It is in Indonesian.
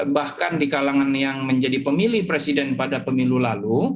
bahkan di kalangan yang menjadi pemilih presiden pada pemilu lalu